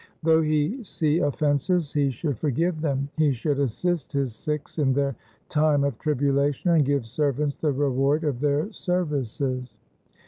Though he see offences he should forgive them. He should assist his Sikhs in their time of tribulation and give servants the reward of their services.